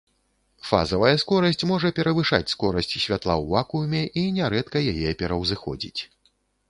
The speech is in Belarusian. Фазавая скорасць можа перавышаць скорасць святла ў вакууме, і нярэдка яе пераўзыходзіць.